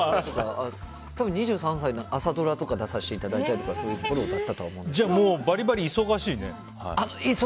多分、２３歳は朝ドラとか出させていただいたりとかそういう頃だったとはじゃあもうバリバリ忙しいね。